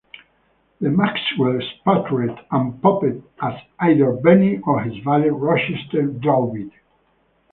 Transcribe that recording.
The Maxwell sputtered and popped as either Benny or his valet Rochester drove it.